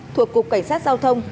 thuộc cục cảnh sát giao thông